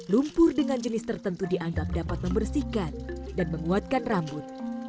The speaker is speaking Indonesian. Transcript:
lumpur dengan jenis tertentu dianggap dapat membersihkan dan menguatkan rambut